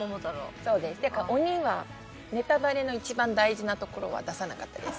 っていうか鬼はネタバレの一番大事なところは出さなかったです。